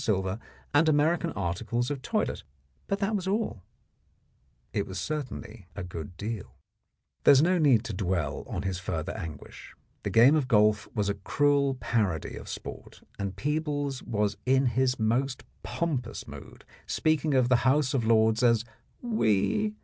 silver and American articles of toilet, but that was all. It certainly was a good deal There is no need to dwell on his further anguish. The game of golf was a cruel parody of sport, and Peebles was in his most pompous mood, speaking of the House of Lords as "we."